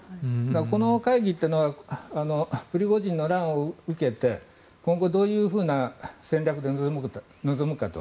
この会議というのはプリゴジンの乱を受けて今後、どういう戦略で臨むかと。